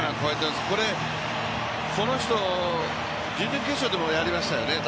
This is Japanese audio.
これ、この人、準々決勝でもやりましたよね